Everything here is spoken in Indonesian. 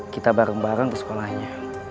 kita bareng bareng ke sekolahnya